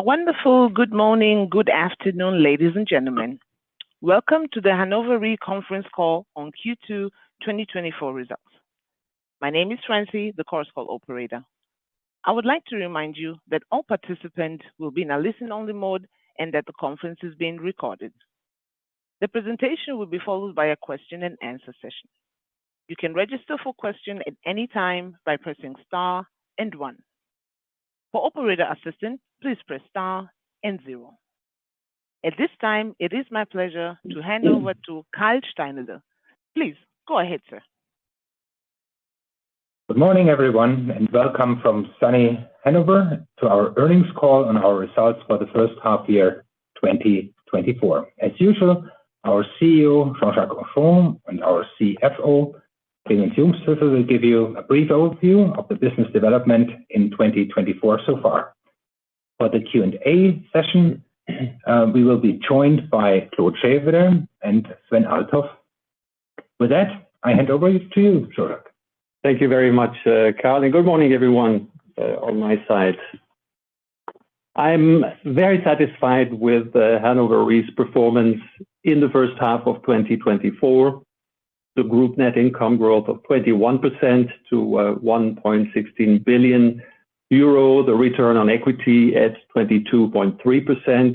A wonderful good morning, good afternoon, ladies and gentlemen. Welcome to the Hannover Re conference call on Q2 2024 results. My name is Francie, the conference call operator. I would like to remind you that all participants will be in a listen-only mode and that the conference is being recorded. The presentation will be followed by a question-and-answer session. You can register for question at any time by pressing star and one. For operator assistance, please press star and zero. At this time, it is my pleasure to hand over to Karl Steinle. Please go ahead, sir. Good morning, everyone, and welcome from sunny Hannover to our earnings call on our results for the first half year 2024. As usual, our CEO, Jean-Jacques Henchoz, and our CFO, Clemens Jungsthöfel, will give you a brief overview of the business development in 2024 so far. For the Q&A session, we will be joined by Claude Chèvre and Sven Althoff. With that, I hand over to you, Jean-Jacques. Thank you very much, Karl, and good morning everyone, on my side. I'm very satisfied with the Hannover Re's performance in the first half of 2024. The group net income growth of 21% to 1.16 billion euro, the return on equity at 22.3%,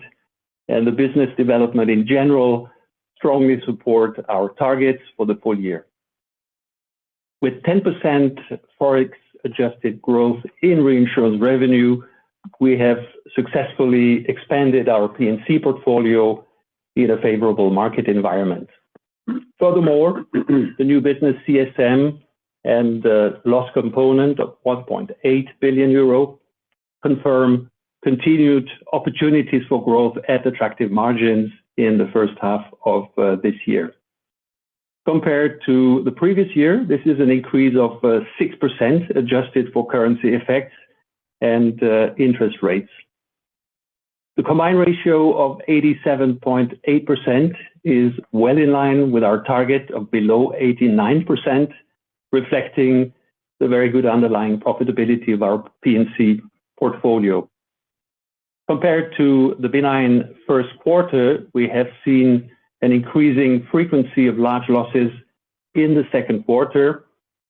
and the business development in general, strongly support our targets for the full year. With 10% Forex adjusted growth in reinsurance revenue, we have successfully expanded our P&C portfolio in a favorable market environment. Furthermore, the new business CSM and the loss component of 1.8 billion euro confirm continued opportunities for growth at attractive margins in the first half of this year. Compared to the previous year, this is an increase of 6%, adjusted for currency effects and interest rates. The combined ratio of 87.8% is well in line with our target of below 89%, reflecting the very good underlying profitability of our P&C portfolio. Compared to the benign first quarter, we have seen an increasing frequency of large losses in the second quarter.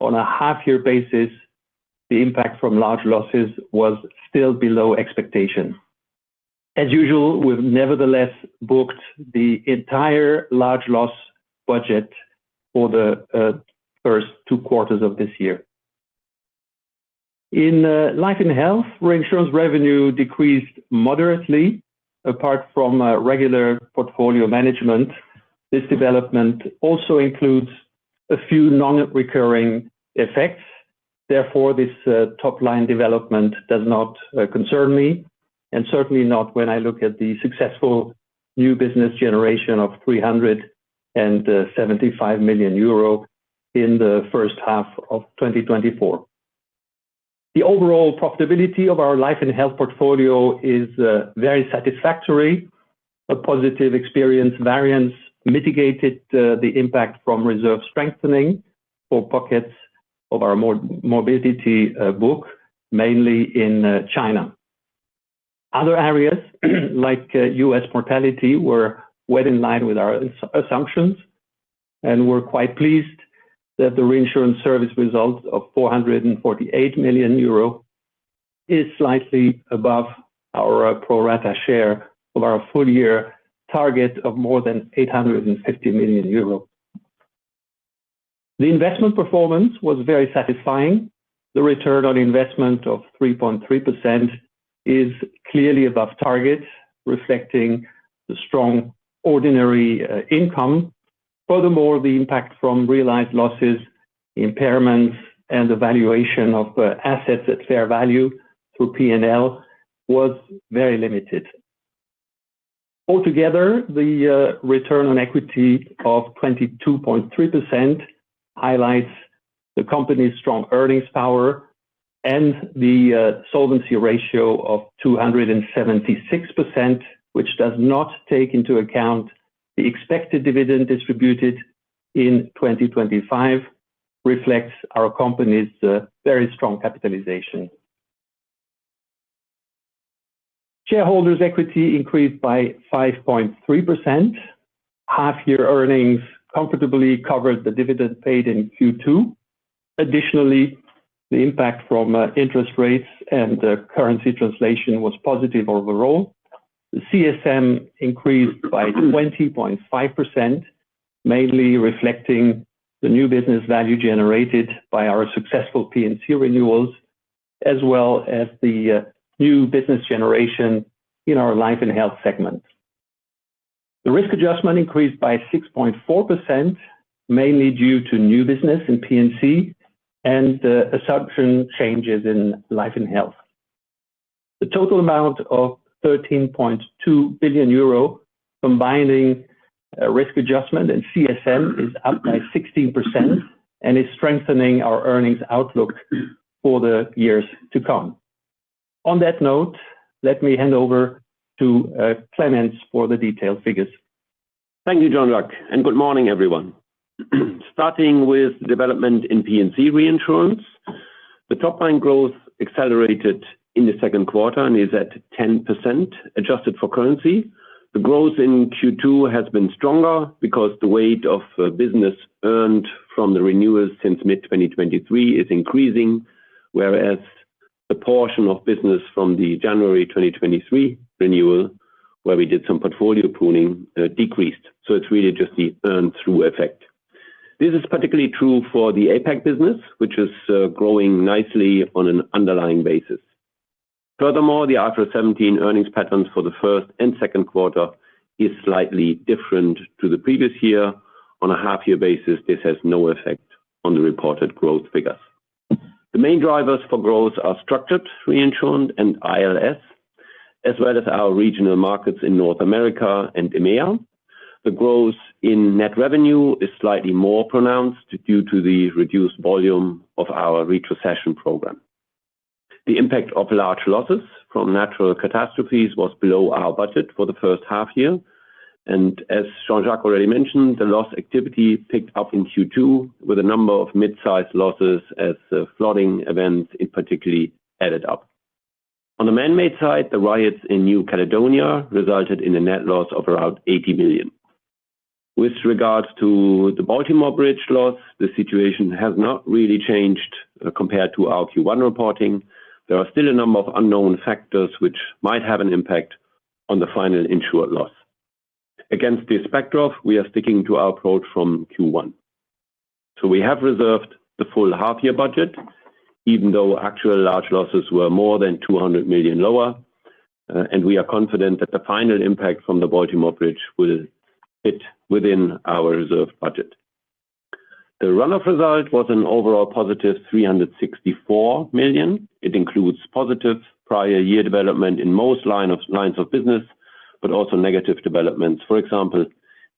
On a half-year basis, the impact from large losses was still below expectation. As usual, we've nevertheless booked the entire large loss budget for the first two quarters of this year. In life and health, reinsurance revenue decreased moderately. Apart from regular portfolio management, this development also includes a few non-recurring effects. Therefore, this top-line development does not concern me, and certainly not when I look at the successful new business generation of 375 million euro in the first half of 2024. The overall profitability of our life and health portfolio is very satisfactory. A positive experience variance mitigated the impact from reserve strengthening for pockets of our morbidity book, mainly in China. Other areas, like U.S. mortality, were well in line with our assumptions, and we're quite pleased that the reinsurance service results of 448 million euro is slightly above our pro rata share of our full year target of more than 850 million euros. The investment performance was very satisfying. The return on investment of 3.3% is clearly above target, reflecting the strong ordinary income. Furthermore, the impact from realized losses, impairments, and the valuation of assets at fair value through P&L was very limited. Altogether, the return on equity of 22.3% highlights the company's strong earnings power and the solvency ratio of 276%, which does not take into account the expected dividend distributed in 2025, reflects our company's very strong capitalization. Shareholders' equity increased by 5.3%. Half-year earnings comfortably covered the dividend paid in Q2. Additionally, the impact from interest rates and the currency translation was positive overall. The CSM increased by 20.5%, mainly reflecting the new business value generated by our successful P&C renewals, as well as the new business generation in our life and health segments. The risk adjustment increased by 6.4%, mainly due to new business in P&C and assumption changes in life and health. The total amount of 13.2 billion euro, combining risk adjustment and CSM, is up by 16% and is strengthening our earnings outlook for the years to come. On that note, let me hand over to Clemens for the detailed figures. Thank you, Jean-Jacques, and good morning, everyone. Starting with development in P&C reinsurance, the top line growth accelerated in the second quarter and is at 10%, adjusted for currency. The growth in Q2 has been stronger because the weight of business earned from the renewals since mid-2023 is increasing, whereas the portion of business from the January 2023 renewal, where we did some portfolio pruning, decreased. So it's really just the earn-through effect. This is particularly true for the APAC business, which is growing nicely on an underlying basis. Furthermore, the IFRS 17 earnings patterns for the first and second quarter is slightly different to the previous year. On a half-year basis, this has no effect on the reported growth figures. The main drivers for growth are structured reinsurance and ILS, as well as our regional markets in North America and EMEA. The growth in net revenue is slightly more pronounced due to the reduced volume of our retrocession program. The impact of large losses from natural catastrophes was below our budget for the first half year, and as Jean-Jacques already mentioned, the loss activity picked up in Q2 with a number of mid-sized losses as, flooding events in particular added up. On the man-made side, the riots in New Caledonia resulted in a net loss of around 80 million. With regards to the Baltimore Bridge loss, the situation has not really changed, compared to our Q1 reporting. There are still a number of unknown factors which might have an impact on the final insured loss. Against this backdrop, we are sticking to our approach from Q1. We have reserved the full half-year budget, even though actual large losses were more than 200 million lower, and we are confident that the final impact from the Baltimore Bridge will fit within our reserve budget. The run-off result was an overall positive 364 million. It includes positive prior year development in most lines of business, but also negative developments. For example,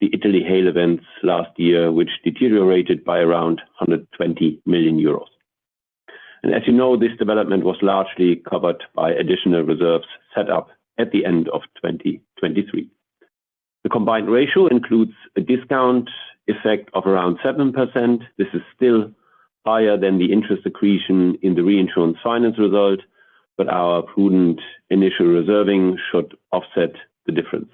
the Italy hail events last year, which deteriorated by around 120 million euros. And as you know, this development was largely covered by additional reserves set up at the end of 2023. The combined ratio includes a discount effect of around 7%. This is still higher than the interest accretion in the reinsurance finance result, but our prudent initial reserving should offset the difference.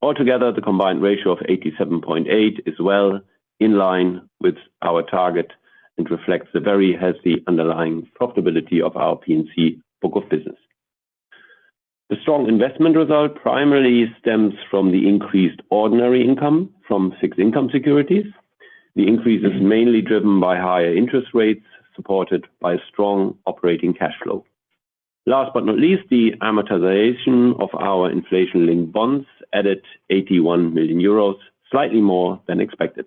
Altogether, the combined ratio of 87.8 is well in line with our target and reflects the very healthy underlying profitability of our P&C book of business. The strong investment result primarily stems from the increased ordinary income from fixed-income securities. The increase is mainly driven by higher interest rates, supported by strong operating cash flow. Last but not least, the amortization of our inflation-linked bonds added 81 million euros, slightly more than expected.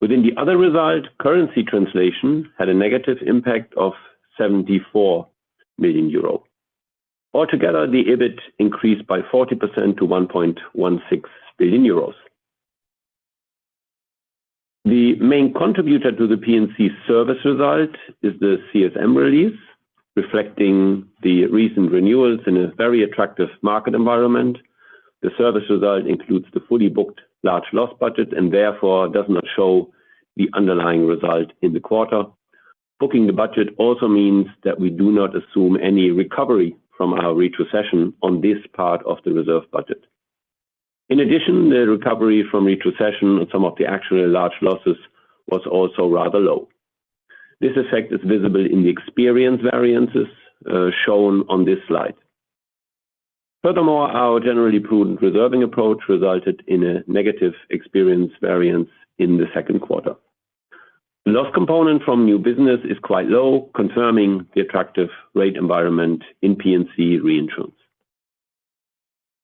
Within the other result, currency translation had a negative impact of 74 million euro. Altogether, the EBIT increased by 40% to 1.16 billion euros. The main contributor to the P&C service result is the CSM release, reflecting the recent renewals in a very attractive market environment. The service result includes the fully booked large loss budget and therefore does not show the underlying result in the quarter. Booking the budget also means that we do not assume any recovery from our retrocession on this part of the reserve budget. In addition, the recovery from retrocession and some of the actual large losses was also rather low. This effect is visible in the experience variances shown on this slide. Furthermore, our generally prudent reserving approach resulted in a negative experience variance in the second quarter. Loss component from new business is quite low, confirming the attractive rate environment in P&C reinsurance.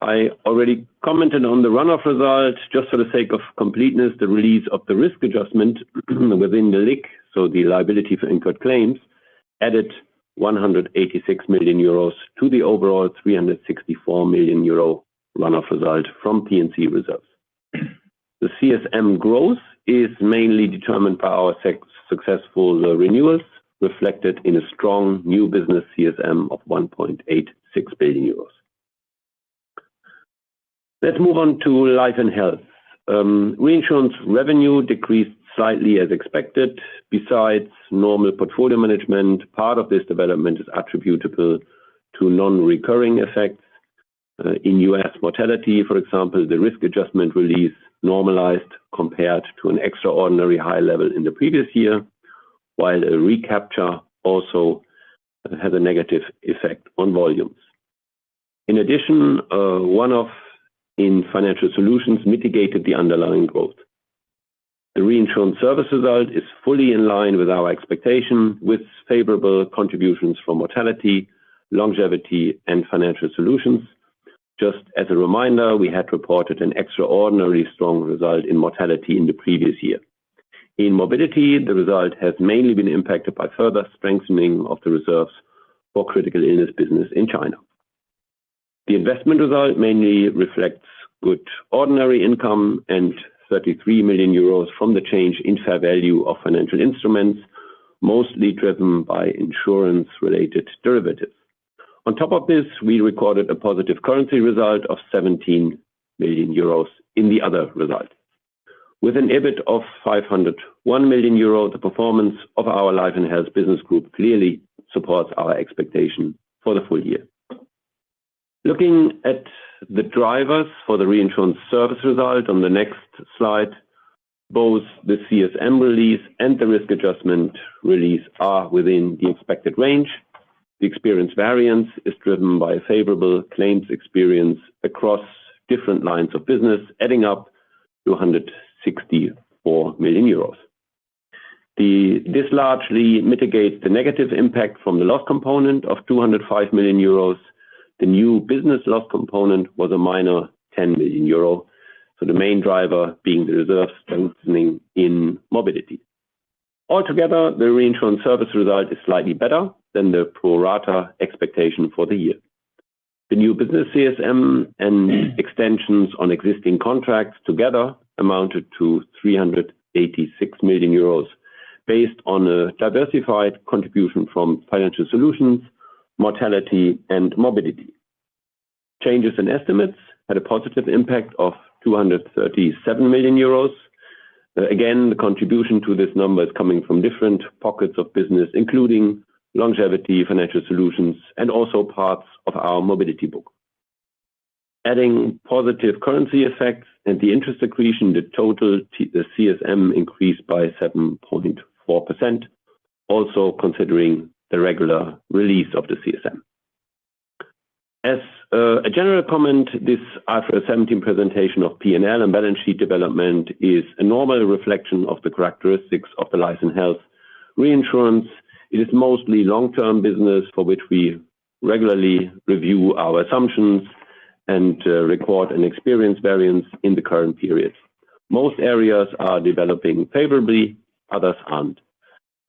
I already commented on the run-off result. Just for the sake of completeness, the release of the risk adjustment, within the LIC, so the liability for incurred claims, added 186 million euros to the overall 364 million euro run-off result from P&C reserves. The CSM growth is mainly determined by our successful renewals, reflected in a strong new business CSM of 1.86 billion euros. Let's move on to life and health. Reinsurance revenue decreased slightly as expected. Besides normal portfolio management, part of this development is attributable to non-recurring effects in US mortality. For example, the risk adjustment release normalized compared to an extraordinary high level in the previous year, while a recapture also has a negative effect on volumes. In addition, one-off in Financial Solutions mitigated the underlying growth. The reinsurance service result is fully in line with our expectation, with favorable contributions from mortality, longevity, and Financial Solutions. Just as a reminder, we had reported an extraordinarily strong result in mortality in the previous year. In morbidity, the result has mainly been impacted by further strengthening of the reserves for critical illness business in China. The investment result mainly reflects good ordinary income and 33 million euros from the change in fair value of financial instruments, mostly driven by insurance-related derivatives. On top of this, we recorded a positive currency result of 17 million euros in the other result. With an EBIT of 501 million euros, the performance of our life and health business group clearly supports our expectation for the full year. Looking at the drivers for the reinsurance service result on the next slide, both the CSM release and the risk adjustment release are within the expected range. The experience variance is driven by a favorable claims experience across different lines of business, adding up to 164 million euros. This largely mitigates the negative impact from the loss component of 205 million euros. The new business loss component was a minor 10 million euro, so the main driver being the reserve strengthening in morbidity. Altogether, the reinsurance service result is slightly better than the pro rata expectation for the year. The new business CSM and extensions on existing contracts together amounted to 386 million euros, based on a diversified contribution from Financial Solutions, mortality, and morbidity. Changes in estimates had a positive impact of 237 million euros. Again, the contribution to this number is coming from different pockets of business, including longevity, Financial Solutions, and also parts of our morbidity book. Adding positive currency effects and the interest accretion, the total, the CSM increased by 7.4%, also considering the regular release of the CSM. As a general comment, this IFRS 17 presentation of P&L and balance sheet development is a normal reflection of the characteristics of the life and health reinsurance. It is mostly long-term business for which we regularly review our assumptions and record an experience variance in the current period. Most areas are developing favorably, others aren't.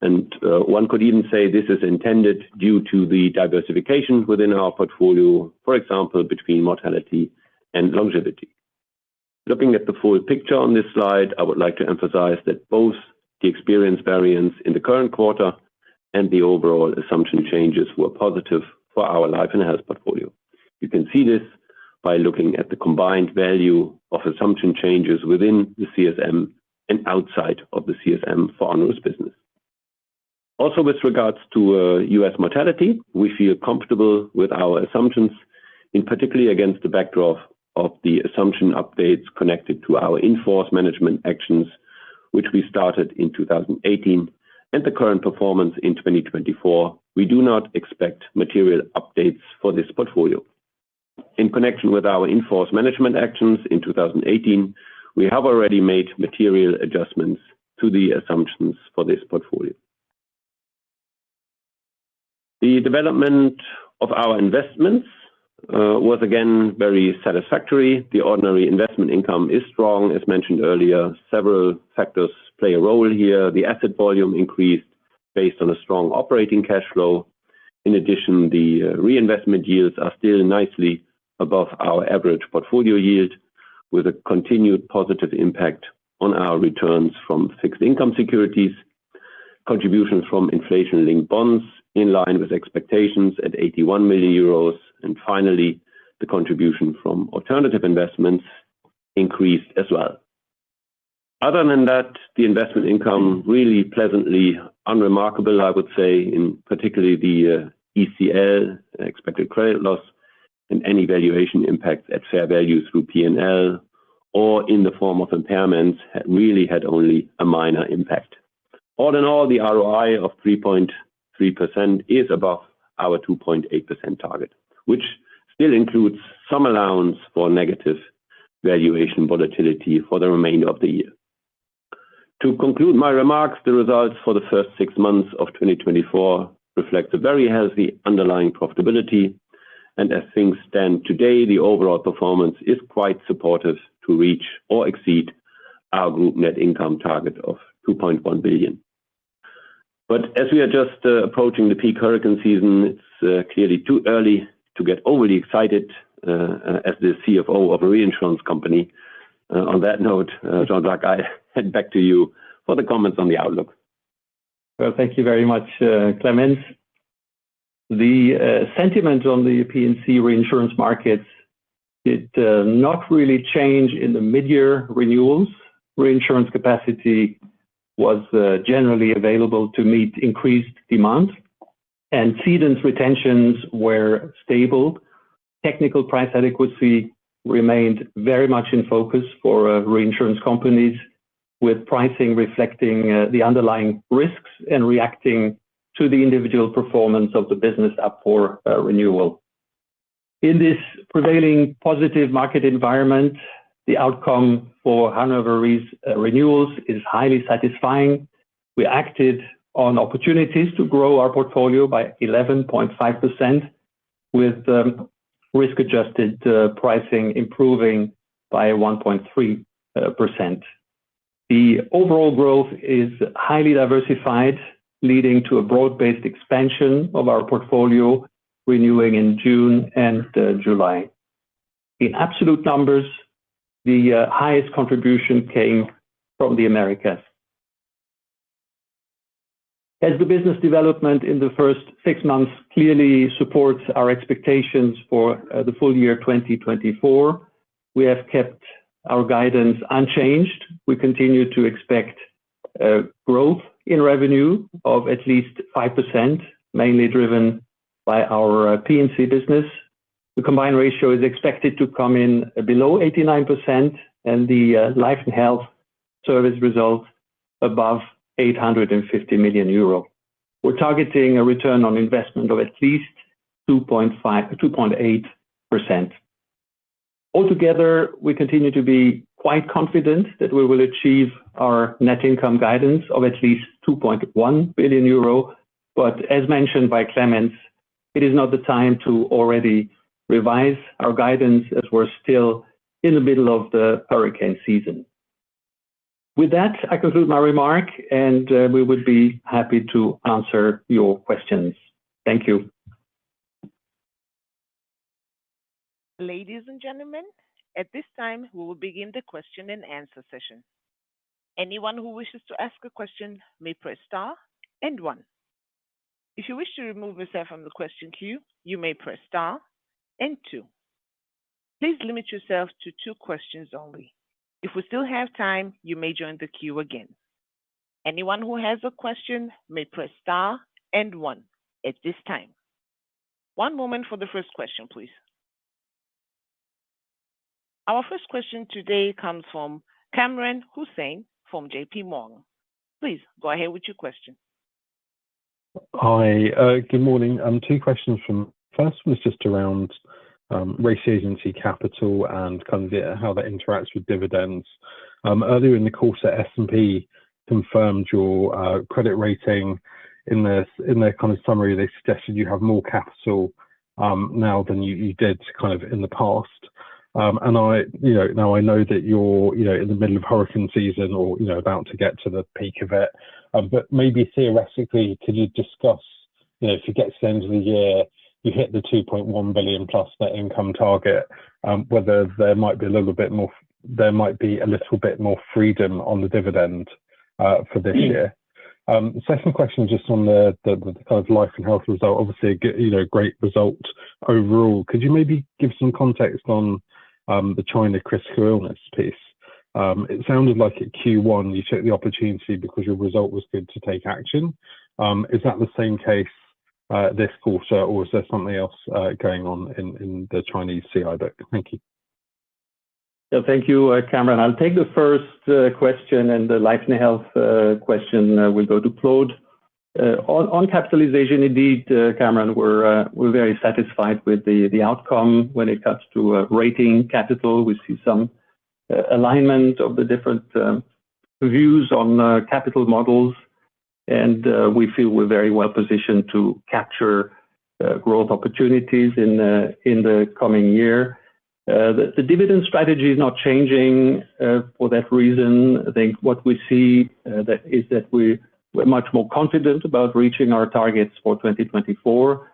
And one could even say this is intended due to the diversification within our portfolio, for example, between mortality and longevity. Looking at the full picture on this slide, I would like to emphasize that both the experience variance in the current quarter and the overall assumption changes were positive for our life and health portfolio. You can see this by looking at the combined value of assumption changes within the CSM and outside of the CSM for Hannover's business. Also, with regards to US mortality, we feel comfortable with our assumptions, in particularly against the backdrop of the assumption updates connected to our in-force management actions, which we started in 2018 and the current performance in 2024. We do not expect material updates for this portfolio. In connection with our in-force management actions in 2018, we have already made material adjustments to the assumptions for this portfolio. The development of our investments was again very satisfactory. The ordinary investment income is strong. As mentioned earlier, several factors play a role here. The asset volume increased based on a strong operating cash flow. In addition, the reinvestment yields are still nicely above our average portfolio yield, with a continued positive impact on our returns from fixed income securities, contributions from inflation-linked bonds in line with expectations at 81 million euros, and finally, the contribution from alternative investments increased as well. Other than that, the investment income, really pleasantly unremarkable, I would say, in particular the ECL, expected credit loss, and any valuation impact at fair value through P&L or in the form of impairments, really had only a minor impact. All in all, the ROI of 3.3% is above our 2.8% target, which still includes some allowance for negative valuation volatility for the remainder of the year. To conclude my remarks, the results for the first six months of 2024 reflect a very healthy underlying profitability, and as things stand today, the overall performance is quite supportive to reach or exceed our group net income target of 2.1 billion. But as we are just approaching the peak hurricane season, it's clearly too early to get overly excited, as the CFO of a reinsurance company. On that note, Jean-Jacques, I hand back to you for the comments on the outlook. Well, thank you very much, Clemens. The sentiment on the P&C reinsurance markets did not really change in the mid-year renewals. Reinsurance capacity was generally available to meet increased demand, and cedents retentions were stable. Technical price adequacy remained very much in focus for reinsurance companies, with pricing reflecting the underlying risks and reacting to the individual performance of the business up for renewal. In this prevailing positive market environment, the outcome for Hannover Re's renewals is highly satisfying. We acted on opportunities to grow our portfolio by 11.5%, with risk-adjusted pricing improving by 1.3%. The overall growth is highly diversified, leading to a broad-based expansion of our portfolio, renewing in June and July. In absolute numbers, the highest contribution came from the Americas. As the business development in the first six months clearly supports our expectations for the full year 2024, we have kept our guidance unchanged. We continue to expect growth in revenue of at least 5%, mainly driven by our P&C business. The combined ratio is expected to come in below 89% and the life and health service results above 850 million euro. We're targeting a return on investment of at least 2.5%-2.8%. Altogether, we continue to be quite confident that we will achieve our net income guidance of at least 2.1 billion euro. But as mentioned by Clemens, it is not the time to already revise our guidance as we're still in the middle of the hurricane season. With that, I conclude my remark, and we would be happy to answer your questions. Thank you. Ladies and gentlemen, at this time, we will begin the question and answer session. Anyone who wishes to ask a question may press star and one. If you wish to remove yourself from the question queue, you may press star and two. Please limit yourself to two questions only. If we still have time, you may join the queue again. Anyone who has a question may press star and one at this time. One moment for the first question, please. Our first question today comes from Kamran Hossain from J.P. Morgan. Please go ahead with your question. Hi, good morning. Two questions from... First one is just around, regulatory capital and kind of how that interacts with dividends. Earlier in the quarter, S&P confirmed your, credit rating. In this- in their kind of summary, they suggested you have more capital, now than you, you did kind of in the past. And I, you know, now I know that you're, you know, in the middle of hurricane season or, you know, about to get to the peak of it. But maybe theoretically, could you discuss, you know, if you get to the end of the year, you hit the 2.1 billion+ net income target, whether there might be a little bit more- there might be a little bit more freedom on the dividend, for this year? Second question, just on the life and health result. Obviously, a great result overall. Could you maybe give some context on the China critical illness piece? It sounded like at Q1 you took the opportunity because your result was good to take action. Is that the same case this quarter, or is there something else going on in the Chinese CI book? Thank you. Yeah, thank you, Kamran. I'll take the first question and the life and health question will go to Claude. On capitalization, indeed, Cameron, we're very satisfied with the outcome when it comes to rating capital. We see some alignment of the different views on capital models, and we feel we're very well positioned to capture growth opportunities in the coming year. The dividend strategy is not changing for that reason. I think what we see is that we're much more confident about reaching our targets for 2024.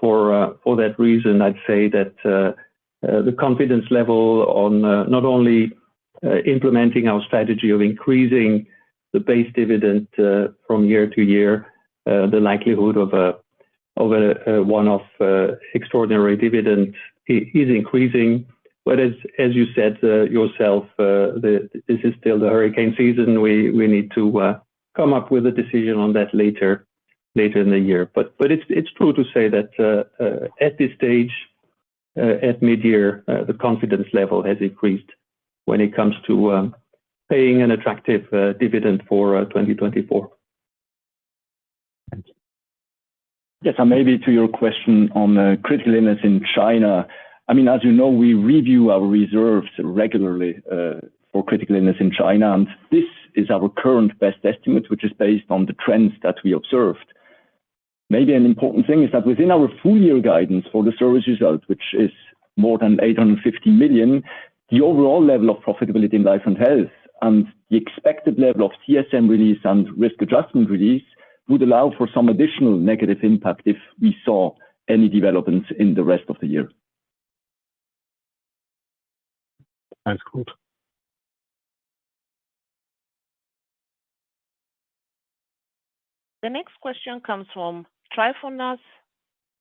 For that reason, I'd say that the confidence level on not only implementing our strategy of increasing the base dividend from year to year, the likelihood of a one-off extraordinary dividend is increasing. But as you said yourself, this is still the hurricane season. We need to come up with a decision on that later in the year. But it's true to say that at this stage, at midyear, the confidence level has increased when it comes to paying an attractive dividend for 2024. Thank you. Yes, and maybe to your question on critical illness in China. I mean, as you know, we review our reserves regularly for critical illness in China, and this is our current best estimate, which is based on the trends that we observed. Maybe an important thing is that within our full year guidance for the service results, which is more than 850 million, the overall level of profitability in life and health and the expected level of CSM release and risk adjustment release would allow for some additional negative impact if we saw any developments in the rest of the year. That's good. The next question comes from Tryfonas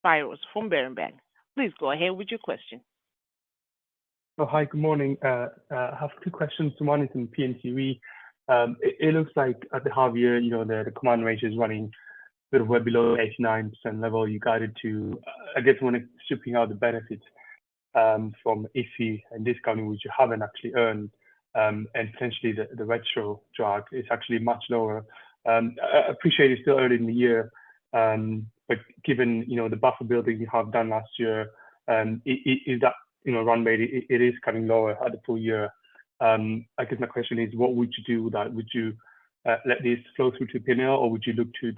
Spyrou from Berenberg. Please go ahead with your question. Hi, good morning. I have two questions. One is in P&C. It looks like at the half year, you know, the combined ratio is running a bit well below 89% level you guided to. I guess when stripping out the benefits from IFRS and discounting, which you haven't actually earned, and essentially the retro drag is actually much lower. Appreciate it's still early in the year, but given, you know, the buffer building you have done last year, is that, you know, run rate, it is coming lower at the full year. I guess my question is: what would you do with that? Would you let this flow through to P&L, or would you look to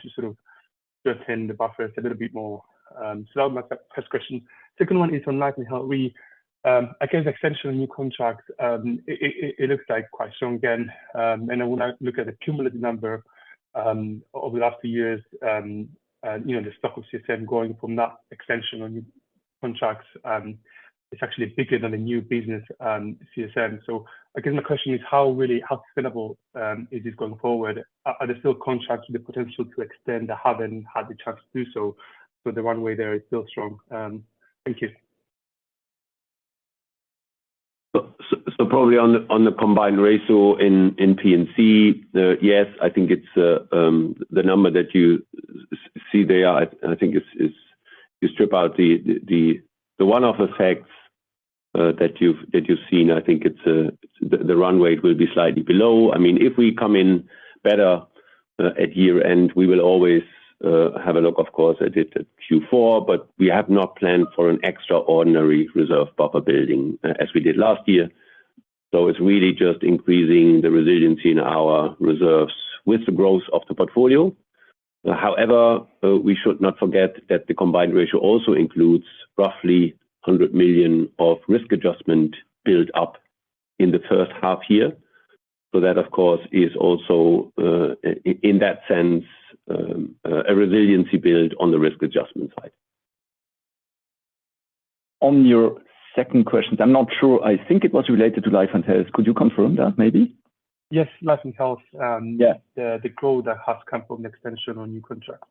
retain the buffers a little bit more? So that was my first question. Second one is on life and health. We, I guess extension new contracts, it looks like quite strong again. And when I look at the cumulative number, over the last few years, you know, the stock of CSM going from that extension on contracts, is actually bigger than the new business, CSM. So I guess my question is, how really, how sustainable, is this going forward? Are there still contracts with the potential to extend or haven't had the chance to do so, but the runway there is still strong? Thank you. So probably on the combined ratio in P&C, the—yes, I think it's the number that you see there, and I think if you strip out the one-off effects that you've seen. I think it's the runway will be slightly below. I mean, if we come in better at year-end, we will always have a look, of course, at it at Q4, but we have not planned for an extraordinary reserve buffer building as we did last year. So it's really just increasing the resiliency in our reserves with the growth of the portfolio. However, we should not forget that the combined ratio also includes roughly 100 million of risk adjustment built up in the first half year. So that, of course, is also, in that sense, a resiliency build on the risk adjustment side. On your second question, I'm not sure. I think it was related to life and health. Could you confirm that, maybe? Yes, life and health. Yeah. The growth that has come from extension on new contract.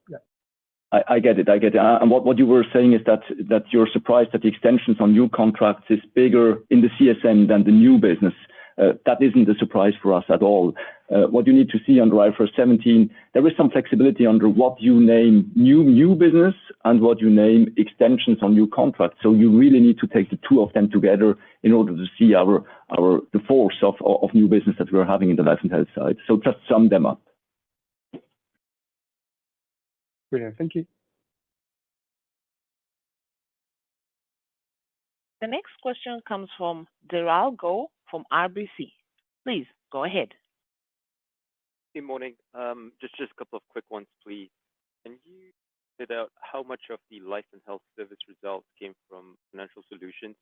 Yeah. I get it. I get it. And what you were saying is that you're surprised that the extensions on new contracts is bigger in the CSM than the new business. That isn't a surprise for us at all. What you need to see under IFRS 17 is that there is some flexibility in what you name new business and what you name extensions on new contracts. So you really need to take the two of them together in order to see our the force of new business that we're having in the life and health side. So just sum them up. Brilliant. Thank you. The next question comes from Dhaval Gada from RBC. Please, go ahead. Good morning. Just, just a couple of quick ones, please. Can you figure out how much of the life and health service results came from Financial Solutions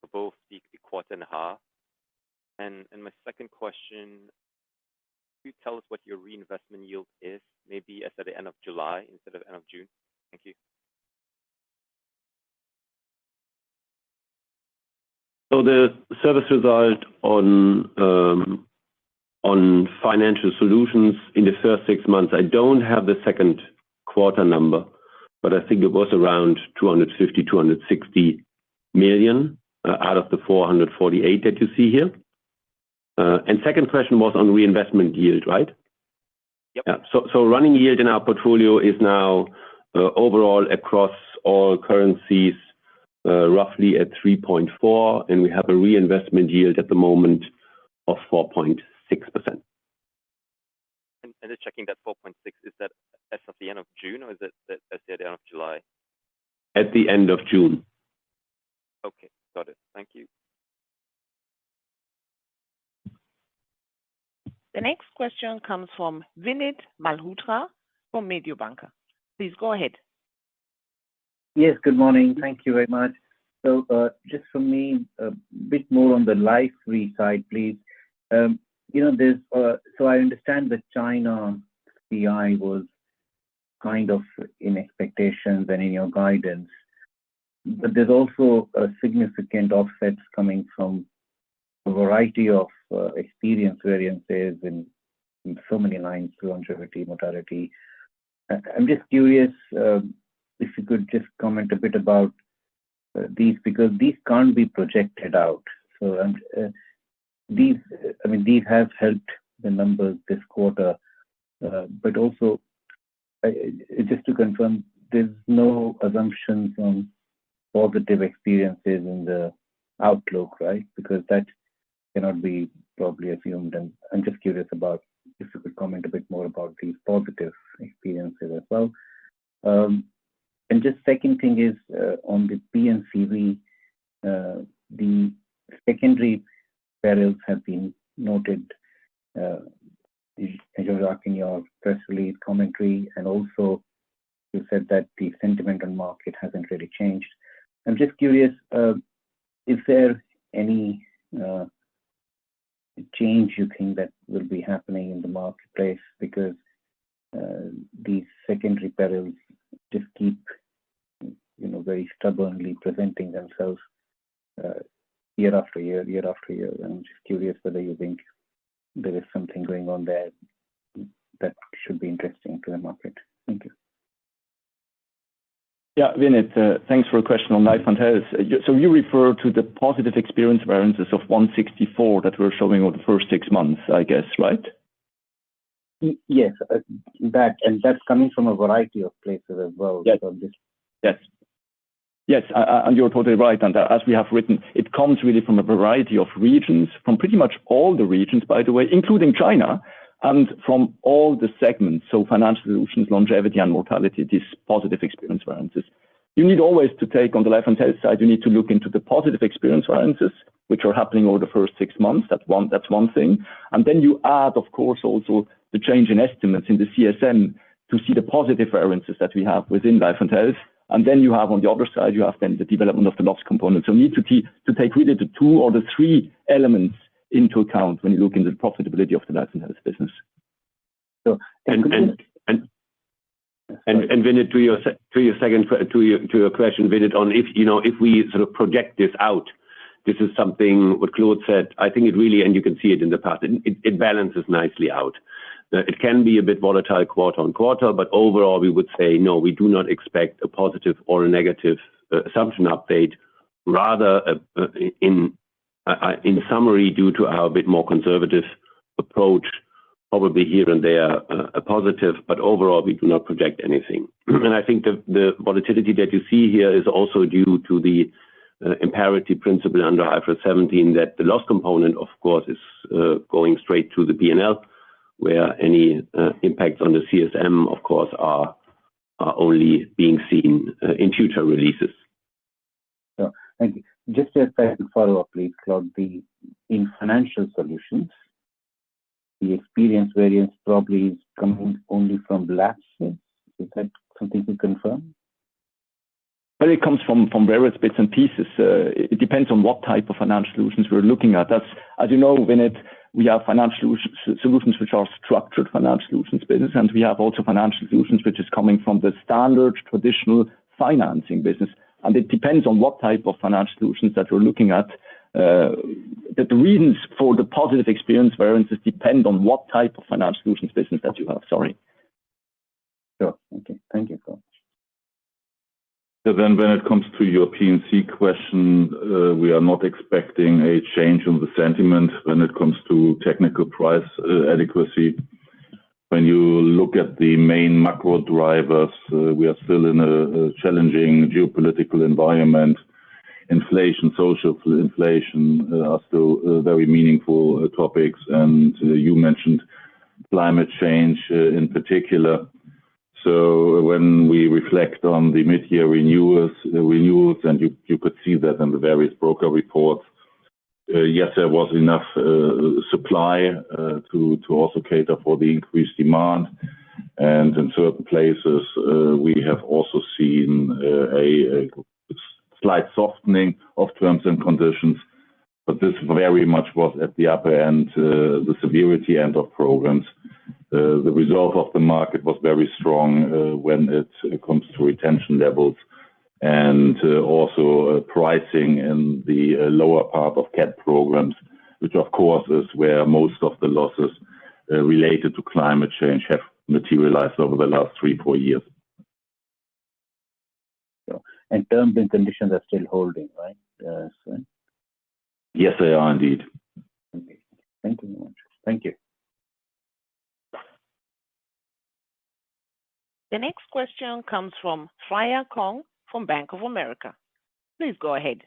for both the quarter and half? And my second question, could you tell us what your reinvestment yield is? Maybe as at the end of July instead of end of June. Thank you. So the service result on Financial Solutions in the first six months, I don't have the second quarter number, but I think it was around 250 million-260 million out of the 448 million that you see here. And second question was on reinvestment yield, right? Yep. Yeah. So running yield in our portfolio is now overall across all currencies roughly at 3.4, and we have a reinvestment yield at the moment of 4.6%. Just checking that 4.6, is that as of the end of June or is it as at the end of July? At the end of June. Okay, got it. Thank you. The next question comes from Vinit Malhotra from Mediobanca. Please go ahead. Yes, good morning. Thank you very much. So, just for me, a bit more on the life re side, please. You know, there's... So I understand that China CI was kind of in expectations and in your guidance, but there's also a significant offsets coming from a variety of experience variances in so many lines, longevity, mortality. I'm just curious if you could just comment a bit about these, because these can't be projected out. So, and these, I mean, these have helped the numbers this quarter, but also, just to confirm, there's no assumptions on positive experiences in the outlook, right? Because that cannot be properly assumed. I'm just curious about if you could comment a bit more about these positive experiences as well. And just second thing is, on the P&C, the secondary perils have been noted, as you wrote in your press release commentary, and also you said that the sentiment on market hasn't really changed. I'm just curious, is there any change you think that will be happening in the marketplace? Because these secondary perils just keep, you know, very stubbornly presenting themselves, year after year, year after year. I'm just curious whether you think there is something going on there that should be interesting to the market. Thank you. Yeah, Vinit, thanks for your question on life and health. So you refer to the positive experience variances of 164 that we're showing over the first six months, I guess, right? Yes, that, and that's coming from a variety of places as well. Yes. Yes. Yes, and you're totally right. And as we have written, it comes really from a variety of regions, from pretty much all the regions, by the way, including China, and from all the segments. So Financial Solutions, longevity and mortality, these positive experience variances. You need always to take on the life and health side, you need to look into the positive experience variances, which are happening over the first six months. That's one, that's one thing. And then you add, of course, also the change in estimates in the CSM to see the positive variances that we have within life and health. And then you have on the other side, you have then the development of the loss component. So you need to take really the two or the three elements into account when you look in the profitability of the life and health business. So, Vinit, to your second question, Vinit, on if, you know, if we sort of project this out, this is something what Claude said. I think it really, and you can see it in the past, it balances nicely out. It can be a bit volatile quarter on quarter, but overall, we would say, no, we do not expect a positive or a negative assumption update. Rather, in summary, due to our bit more conservative approach, probably here and there a positive, but overall, we do not project anything. I think the volatility that you see here is also due to the impairment principle under IFRS 17, that the loss component, of course, is going straight to the P&L, where any impacts on the CSM, of course, are only being seen in future releases. So thank you. Just a quick follow-up, please, Claude. In Financial Solutions, the experience variance probably is coming only from lapses. Is that something you confirm? Well, it comes from various bits and pieces. It depends on what type of Financial Solutions we're looking at. That's... As you know, Vinit, we have Financial Solutions, solutions which are structured Financial Solutions business, and we have also Financial Solutions, which is coming from the standard traditional financing business. And it depends on what type of Financial Solutions that we're looking at. But the reasons for the positive experience variances depend on what type of Financial Solutions business that you have. Sorry. Sure. Okay. Thank you so much. Then when it comes to your P&C question, we are not expecting a change in the sentiment when it comes to technical price adequacy. When you look at the main macro drivers, we are still in a challenging geopolitical environment. Inflation, social inflation, are still very meaningful topics, and you mentioned climate change in particular. So when we reflect on the mid-year renewals and you could see that in the various broker reports, yes, there was enough supply to also cater for the increased demand. In certain places, we have also seen a slight softening of terms and conditions, but this very much was at the upper end, the severity end of programs. The result of the market was very strong, when it comes to retention levels and also pricing in the lower part of CAT programs, which of course is where most of the losses related to climate change have materialized over the last 3-4 years. Sure. Terms and conditions are still holding, right? So. Yes, they are indeed. Okay. Thank you very much. Thank you. The next question comes from Freya Kong from Bank of America. Please go ahead.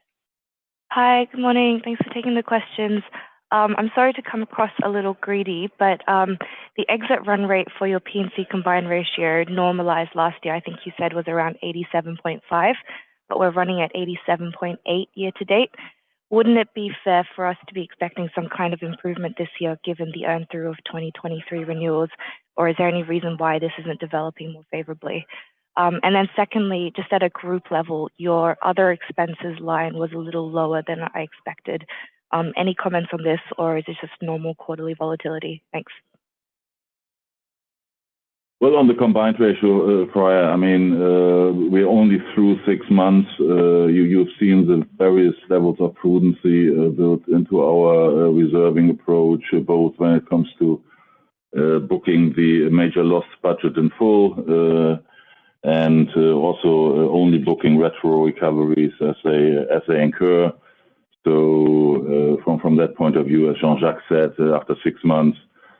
Hi. Good morning. Thanks for taking the questions. I'm sorry to come across a little greedy, but the exit run rate for your P&C combined ratio normalized last year, I think you said was around 87.5%, but we're running at 87.8% year to date. Wouldn't it be fair for us to be expecting some kind of improvement this year, given the earn through of 2023 renewals? Or is there any reason why this isn't developing more favorably? And then secondly, just at a group level, your other expenses line was a little lower than I expected. Any comment on this, or is this just normal quarterly volatility? Thanks. Well, on the combined ratio, Freya, I mean, we're only through six months. You've seen the various levels of prudence built into our reserving approach, both when it comes to booking the major loss budget in full, and also only booking retro recoveries as they incur. So, from that point of view, as Jean-Jacques said, after six months,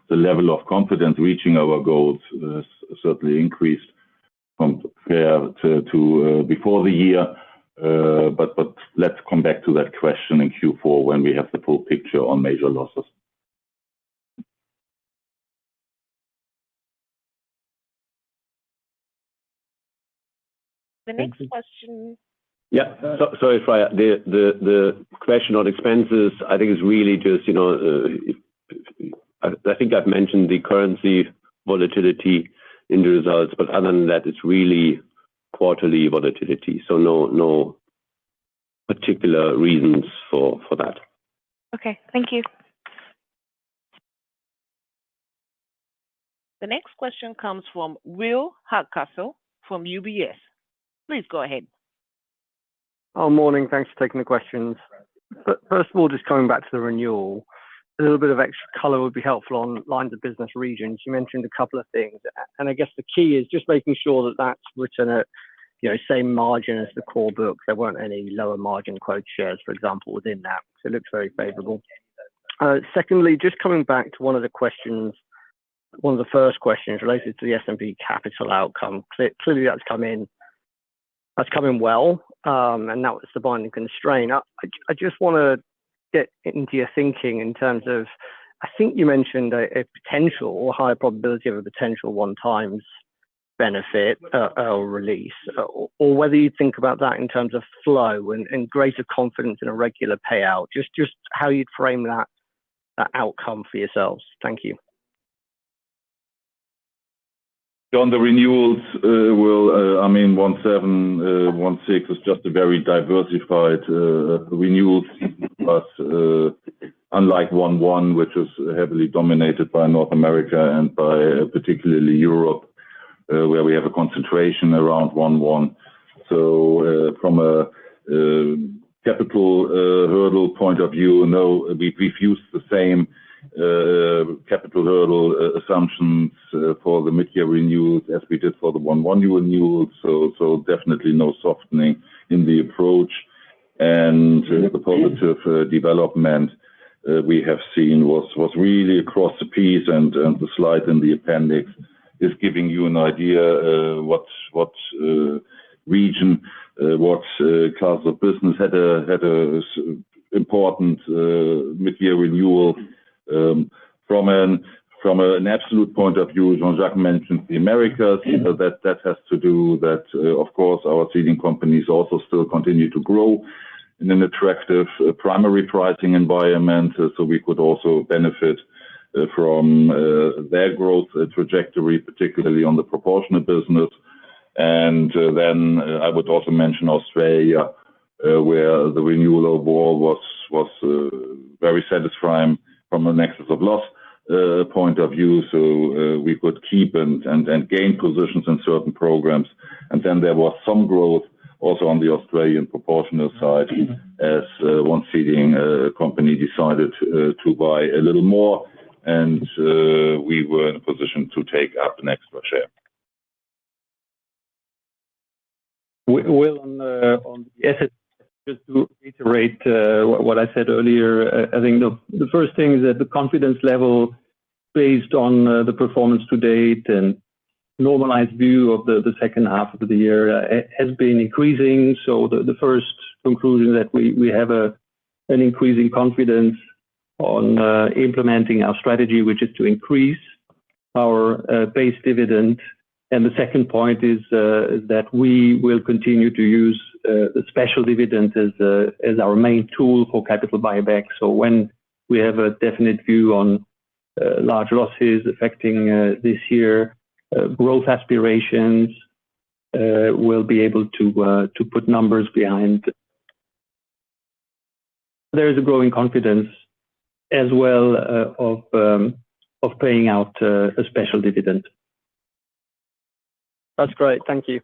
the level of confidence reaching our goals has certainly increased from prior to before the year. But let's come back to that question in Q4 when we have the full picture on major losses. The next question- Yeah, so sorry, Freya. The question on expenses, I think is really just, you know, I think I've mentioned the currency volatility in the results, but other than that, it's really quarterly volatility. So no particular reasons for that. Okay. Thank you. The next question comes from Will Hardcastle from UBS. Please go ahead. Oh, morning. Thanks for taking the questions. But first of all, just coming back to the renewal, a little bit of extra color would be helpful on lines of business regions. You mentioned a couple of things, and I guess the key is just making sure that that's written at, you know, same margin as the core book. There weren't any lower margin quota shares, for example, within that. So it looks very favorable. Secondly, just coming back to one of the questions, one of the first questions related to the S&P capital outcome. Clearly, that's come in, that's coming well, and that was the binding constraint. I just wanna get into your thinking in terms of, I think you mentioned a potential or high probability of a potential 1x benefit, release, or whether you think about that in terms of flow and greater confidence in a regular payout, just how you'd frame that outcome for yourselves. Thank you. Jean, the renewals will, I mean, 1.7, 1.6 is just a very diversified renewals. But unlike 1.1, which is heavily dominated by North America and by particularly Europe, where we have a concentration around 1.1. So from a capital hurdle point of view, no, we've used the same capital hurdle assumptions for the mid-year renewals as we did for the 1.1 renewals. So definitely no softening in the approach. And the positive development we have seen was really across the board and the slide in the appendix is giving you an idea what region, what class of business had an important mid-year renewal. From an absolute point of view, Jean-Jacques mentioned the Americas. That has to do that, of course, our ceding companies also still continue to grow in an attractive primary pricing environment, so we could also benefit from their growth trajectory, particularly on the proportionate business. And then I would also mention Australia, where the renewal overall was very satisfying from a net loss point of view. So we could keep and gain positions in certain programs. And then there was some growth also on the Australian proportional side, as one ceding company decided to buy a little more, and we were in a position to take up an extra share. Well, on the assets, just to reiterate what I said earlier, I think the first thing is that the confidence level based on the performance to date and normalized view of the second half of the year has been increasing. So the first conclusion that we have is an increasing confidence on implementing our strategy, which is to increase our base dividend. And the second point is that we will continue to use the special dividend as our main tool for capital buyback. So when we have a definite view on large losses affecting this year growth aspirations, we'll be able to put numbers behind. There is a growing confidence as well of paying out a special dividend. That's great. Thank you.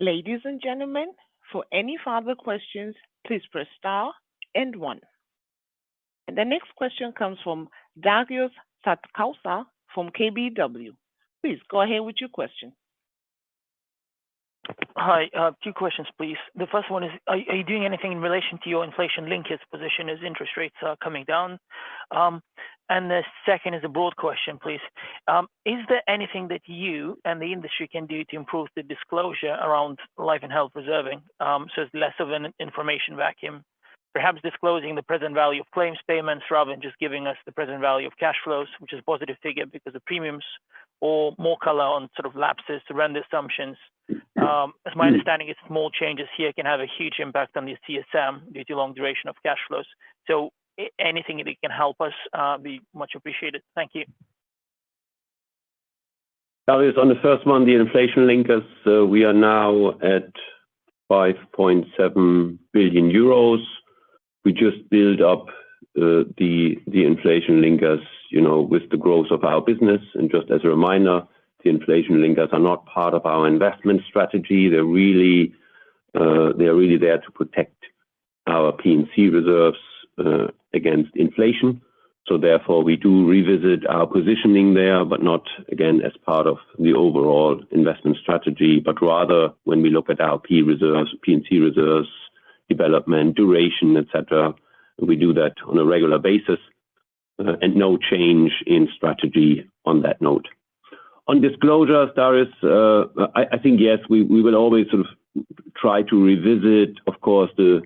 Ladies and gentlemen, for any further questions, please press star and one. The next question comes from Darius Satkauskas from KBW. Please go ahead with your question. Hi, two questions, please. The first one is, are you doing anything in relation to your inflation-linked position as interest rates are coming down? And the second is a broad question, please. Is there anything that you and the industry can do to improve the disclosure around life and health reserving? So it's less of an information vacuum. Perhaps disclosing the present value of claims payments rather than just giving us the present value of cash flows, which is a positive figure because of premiums or more color on sort of lapses to run the assumptions. As my understanding is, small changes here can have a huge impact on the CSM due to long duration of cash flows. So anything that can help us be much appreciated. Thank you. That is on the first one, the inflation linkers, we are now at 5.7 billion euros. We just build up the inflation linkers, you know, with the growth of our business. And just as a reminder, the inflation linkers are not part of our investment strategy. They're really, they're really there to protect our P&C reserves against inflation. So therefore, we do revisit our positioning there, but not again, as part of the overall investment strategy, but rather when we look at our P reserves, P&C reserves, development, duration, et cetera, we do that on a regular basis, and no change in strategy on that note. On disclosure, Darius, I think, yes, we will always sort of try to revisit, of course, the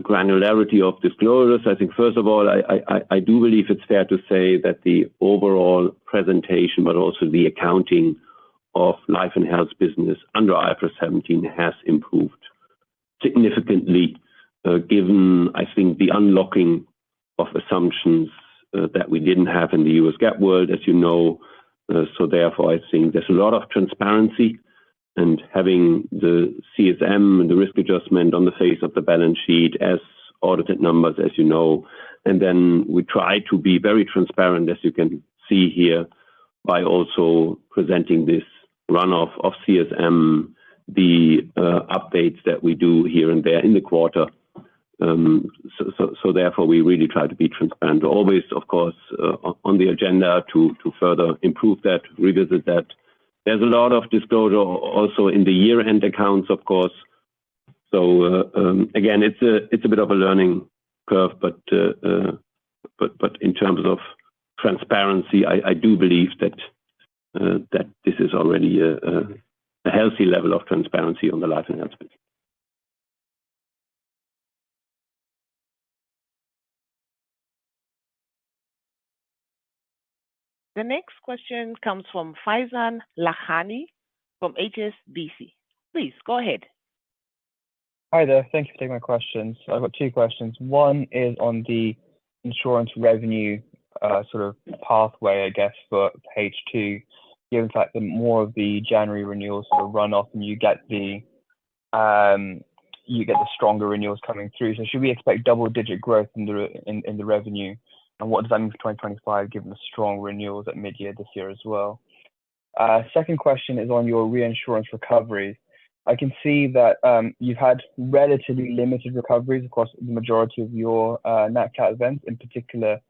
granularity of disclosures. I think first of all, I do believe it's fair to say that the overall presentation, but also the accounting of life and health business under IFRS 17 has improved significantly, given, I think, the unlocking of assumptions, that we didn't have in the US GAAP world, as you know. So therefore, I think there's a lot of transparency and having the CSM and the risk adjustment on the face of the balance sheet as audited numbers, as you know. And then we try to be very transparent, as you can see here, by also presenting this runoff of CSM, the updates that we do here and there in the quarter. So therefore, we really try to be transparent, always, of course, on the agenda to further improve that, revisit that. There's a lot of disclosure also in the year-end accounts, of course. So, again, it's a bit of a learning curve, but in terms of transparency, I do believe that this is already a healthy level of transparency on the life enhancements. The next question comes from Faizan Lakhani from HSBC. Please go ahead. Hi there. Thank you for taking my questions. I've got two questions. One is on the insurance revenue, sort of pathway, I guess, for H2, given the fact that more of the January renewals sort of run off and you get the stronger renewals coming through. So should we expect double-digit growth in the revenue? And what does that mean for 2025, given the strong renewals at mid-year this year as well? Second question is on your reinsurance recovery. I can see that, you've had relatively limited recoveries. Of course, the majority of your nat cat events, in particular,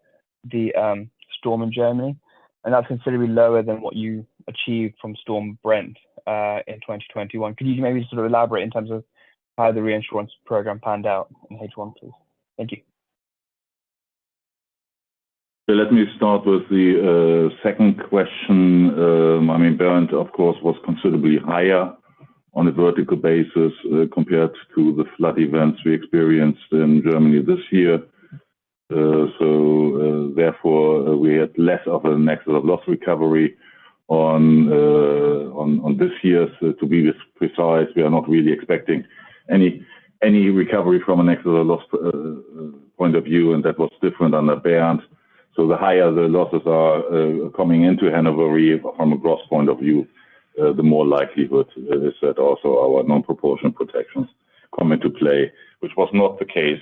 the storm in Germany, and that's considerably lower than what you achieved from Storm Bernd, in 2021. Could you maybe sort of elaborate in terms of how the reinsurance program panned out in H1, please? Thank you. Let me start with the second question. I mean, Bernd, of course, was considerably higher on a vertical basis compared to the flood events we experienced in Germany this year. So, therefore, we had less of an excess of loss recovery on this year's. To be pre-precise, we are not really expecting any recovery from an excess loss point of view, and that was different on the Bernd. So the higher the losses are coming into Hannover Re from a gross point of view, the more likelihood it is that also our non-proportionate protections come into play, which was not the case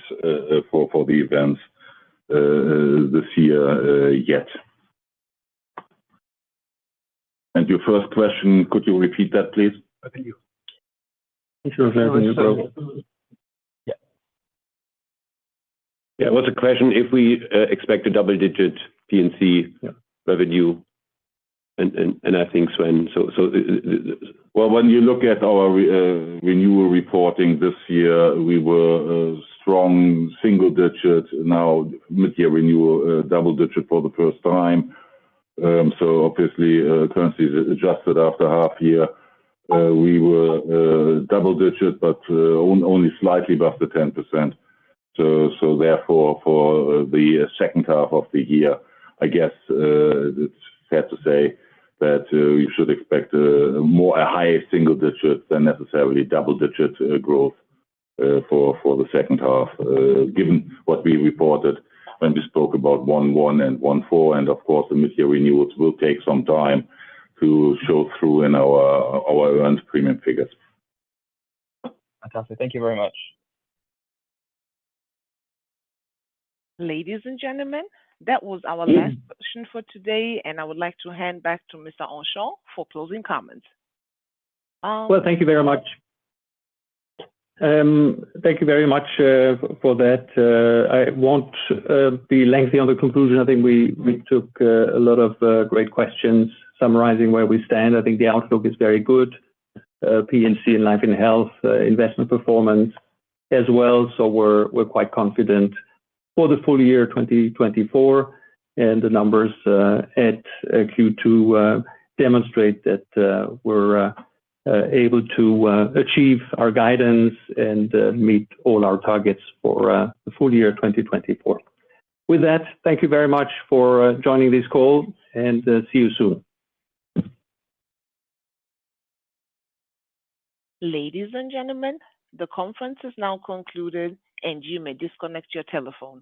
for the events this year yet. And your first question, could you repeat that, please? Yeah. Yeah, what's the question? If we expect a double-digit P&C revenue, and I think so and so, so... Well, when you look at our renewal reporting this year, we were strong single digits, now mid-year renewal double digit for the first time. So obviously, currencies adjusted after half year, we were double digits, but only slightly above the 10%. So therefore, for the second half of the year, I guess it's fair to say that you should expect a more higher single digit than necessarily double-digit growth for the second half, given what we reported when we spoke about 1.1 and 1.4. And of course, the mid-year renewals will take some time to show through in our earned premium figures. Fantastic. Thank you very much. Ladies and gentlemen, that was our last question for today, and I would like to hand back to Mr. Henchoz for closing comments. Well, thank you very much. Thank you very much for that. I won't be lengthy on the conclusion. I think we took a lot of great questions summarizing where we stand. I think the outlook is very good. P&C and Life and Health, investment performance as well. So we're quite confident for the full year 2024, and the numbers at Q2 demonstrate that we're able to achieve our guidance and meet all our targets for the full year 2024. With that, thank you very much for joining this call, and see you soon. Ladies and gentlemen, the conference is now concluded, and you may disconnect your telephone.